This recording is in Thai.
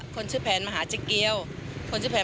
ดูแลสละทางใหญ่ประหลาด